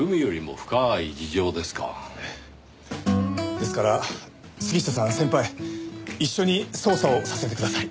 ですから杉下さん先輩一緒に捜査をさせてください。